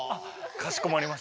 かしこまりました。